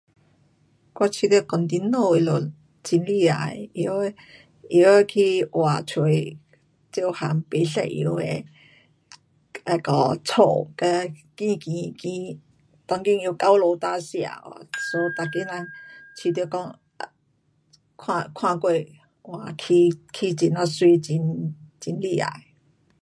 我觉得工程师他们很厉害，会去画出来多种不一样的那个家和高高当今的高楼大夏。so 大家人得讲说看过建很的美，很厉害。